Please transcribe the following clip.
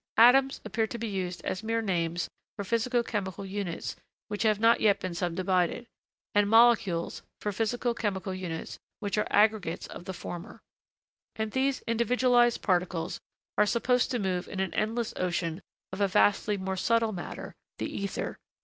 'Atoms' appear to be used as mere names for physico chemical units which have not yet been subdivided, and 'molecules' for physico chemical units which are aggregates of the former. And these individualised particles are supposed to move in an endless ocean of a vastly more subtle matter the ether.